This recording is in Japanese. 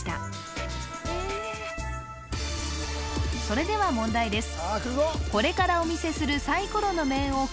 それでは問題です